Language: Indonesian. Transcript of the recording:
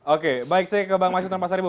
oke baik saya ke bang masinton pasar ibu